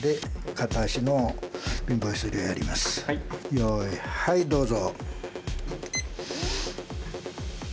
用意はいどうぞ。